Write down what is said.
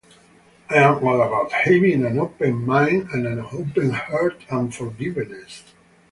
I'm all about having an open mind, an open heart and forgiveness.